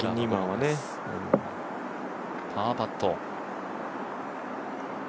パーパット。